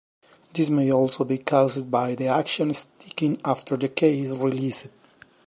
This may also be caused by the action sticking after the key is released.